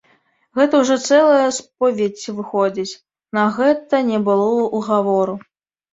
Гэта ўжо цэлая споведзь выходзіць, на гэта не было ўгавору.